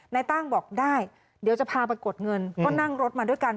นายตั้งบอกได้เดี๋ยวจะพาไปกดเงินก็นั่งรถมาด้วยกัน